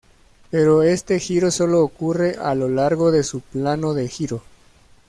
Pero este giro solo ocurre a lo largo de su plano de giro.